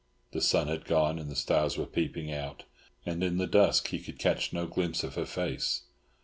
The sun had gone, and the stars were peeping out, and in the dusk he could catch no glimpse of her face.